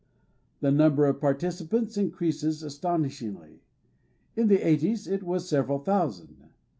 The number of participants in creases astonishingly. In the 'eighties it was several thousand.